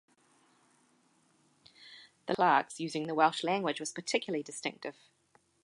The large number of managers and clerks using the Welsh language was particularly distinctive.